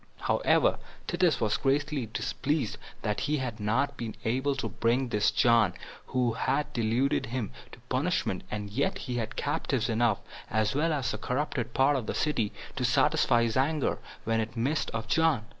However, Titus was greatly displeased that he had not been able to bring this John, who had deluded him, to punishment; yet he had captives enough, as well as the corrupted part of the city, to satisfy his anger, when it missed of John.